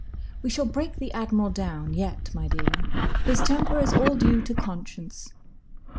"We shall break the Admiral down, yet, my dear. His temper is all due to conscience."